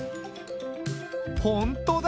本当だ。